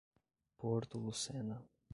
Porto Lucena